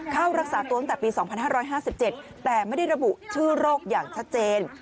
เข้ารักษาตัวตั้งแต่ปี๒๕๕๗แต่ไม่ได้ระบุชื่อโรคอย่างชัดเจน